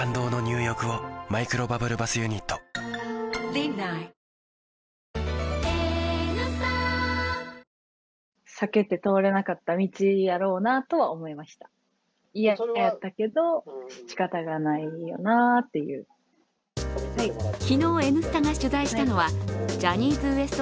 ⁉ＬＧ２１昨日、「Ｎスタ」が取材したのはジャニーズＷＥＳＴ